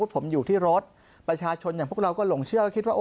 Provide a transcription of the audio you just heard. ประชาชนอย่างพวกเราก็หลงเชื่อ